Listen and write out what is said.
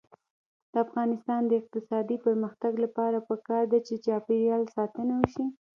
د افغانستان د اقتصادي پرمختګ لپاره پکار ده چې چاپیریال ساتنه وشي.